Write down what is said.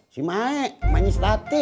si maek manis dati